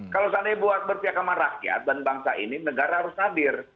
kalau seandainya berpihak sama rakyat dan bangsa ini negara harus hadir